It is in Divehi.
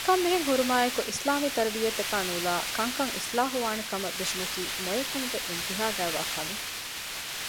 ކަންމިހެންހުރުމާއެކު އިސްލާމީ ތަރުބިޔަތާ ނުލައި ކަންކަން އިޞްލާޙުވާނެކަމަށް ދުށުމަކީ މޮޔަކަމުގެ އިންތިހާގައިވާ ކަމެއް